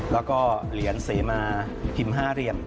แล้วก็เหรียญเสมาพิมพ์๕เหรียญ